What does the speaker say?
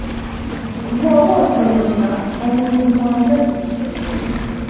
Bw'oba osomesa omuntu mwagazise.